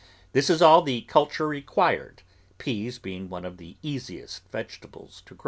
This is all the culture required, peas being one of the easiest vegetables to grow.